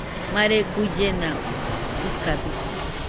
Mare guillena ikabite.